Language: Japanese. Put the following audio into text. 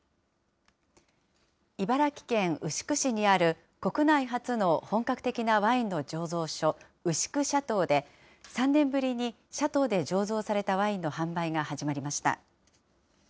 茨城県牛久市にある国内初の本格的なワインの醸造所、牛久シャトーで、３年ぶりにシャトーで醸造されたワインの販売が始まりました。